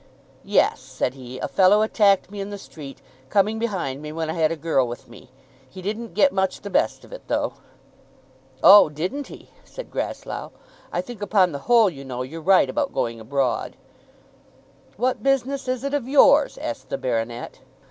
"Yes," said he; "a fellow attacked me in the street, coming behind me when I had a girl with me. He didn't get much the best of it though." "Oh; didn't he?" said Grasslough. "I think, upon the whole, you know, you're right about going abroad." "What business is it of yours?" asked the baronet.